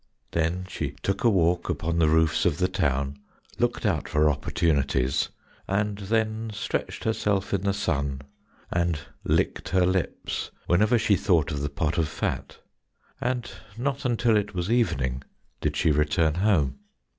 Then she took a walk upon the roofs of the town, looked out for opportunities, and then stretched herself in the sun, and licked her lips whenever she thought of the pot of fat, and not until it was evening did she return home.